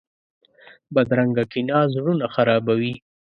بدرنګه کینه زړونه خرابوي